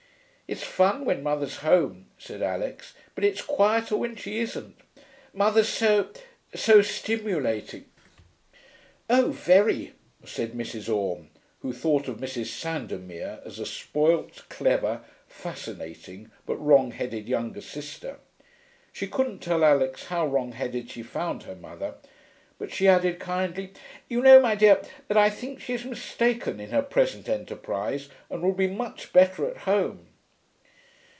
'It's fun when mother's home,' said Alix. 'But it's quieter when she isn't. Mother's so so stimulating.' 'Oh, very,' said Mrs. Orme, who thought of Mrs. Sandomir as a spoilt, clever, fascinating but wrong headed younger sister. She couldn't tell Alix how wrong headed she found her mother, but she added kindly, 'You know, my dear, that I think she is mistaken in her present enterprise, and would be much better at home.'